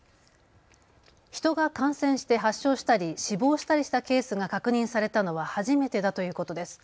人が感染して発症したり死亡したりしたケースが確認されたのは初めてだということです。